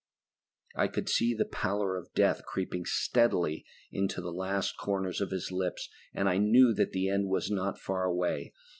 I could see the pallor of death creeping steadily into the last corners of his lips, and I knew that the end was not far away.